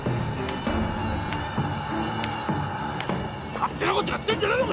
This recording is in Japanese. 勝手なことやってんじゃねえぞ